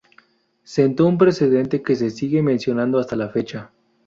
Sentó un precedente que se sigue mencionando hasta la fecha.